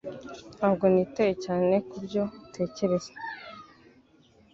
Ntabwo nitaye cyane kubyo utekereza